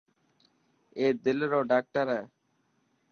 اي دل رو ڊاڪٽر هي.